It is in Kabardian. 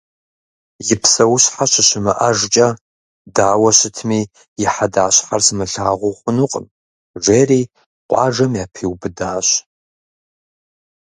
«И псэущхьэ щыщымыӀэжкӀэ дауэ щытми и хьэдащхьэр сымылъагъуу хъунукъым», – жери къуажэм япиубыдащ.